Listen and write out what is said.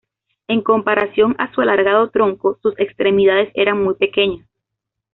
En comparación a su alargado tronco, sus extremidades eran muy pequeñas.